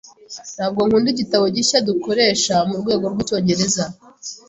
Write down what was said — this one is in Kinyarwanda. Ntabwo nkunda igitabo gishya dukoresha murwego rwicyongereza.